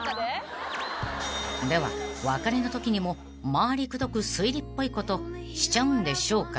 ［では別れのときにも回りくどく推理っぽいことしちゃうんでしょうか］